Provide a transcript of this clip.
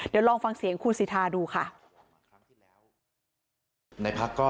เดี๋ยวลองฟังเสียงคู่สิทธาดูค่ะ